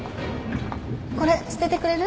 これ捨ててくれる？